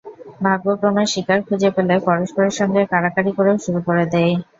ভাগ্যক্রমে শিকার খুঁজে পেলে পরস্পরের সঙ্গে কাড়াকাড়ি করে শুরু করে দেয়।